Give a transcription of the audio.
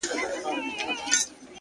o كله ؛كله ديدنونه زما بــدن خــوري؛